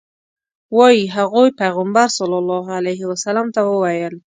وایي هغوی پیغمبر صلی الله علیه وسلم ته وویل.